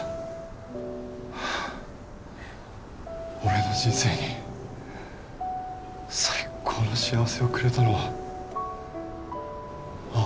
俺の人生に最高の幸せをくれたのは葵だ。